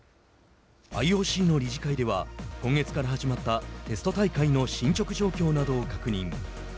ＩＯＣの理事会では今月から始まったテスト大会の進捗状況などを確認。